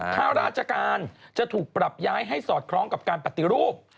ข้าราชการจะถูกปรับย้ายให้สอดคล้องกับการปฏิรูป